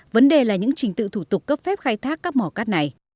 vấn đề là những trình tự thủ tục cấp phép khai thác các mỏ cát này